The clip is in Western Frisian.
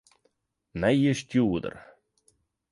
Nije stjoerder.